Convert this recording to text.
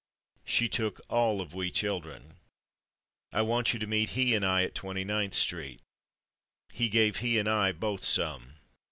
She took all of /we/ children. I want you to meet /he/ and I at 29th street. He gave /he/ and I both some.